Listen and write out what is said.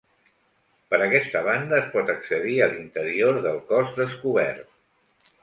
Per aquesta banda es pot accedir a l'interior del cos descobert.